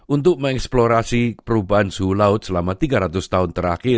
untuk mengeksplorasi perubahan suhu laut selama tiga ratus tahun terakhir